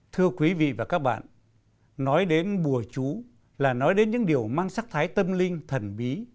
thưa quý vị và các bạn nói đến bùa chú là nói đến những điều mang sắc thái tâm linh thần bí